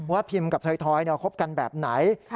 ว่าพิมพ์กับถอยคบกันแบบไหน